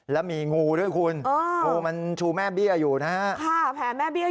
แล้วมีงูด้วยคุณงูมันชูแม่เบี้ยอยู่นะค่ะ